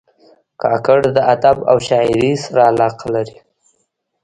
کاکړ د ادب او شاعرۍ سره علاقه لري.